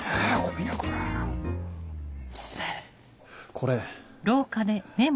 これ。